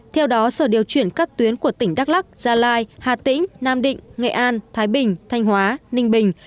theo đó sở điều chuyển các tuyến của tỉnh đắk lắc gia lai hà tĩnh nam định nghệ an thái bình thanh hóa ninh bình